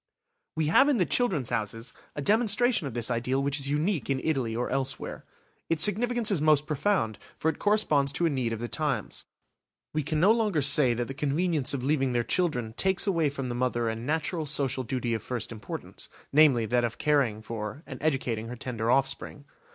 We have in the "Children's Houses" a demonstration of this ideal which is unique in Italy or elsewhere. Its significance is most profound, for it corresponds to a need of the times. We can no longer say that the convenience of leaving their children takes away from the mother a natural social duty of first importance; namely, that of caring for and educating her tender offspring.